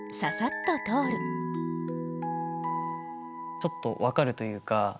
ちょっと分かるというか。